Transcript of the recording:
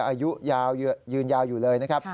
อายุยืนยาวอยู่เลยนะครับ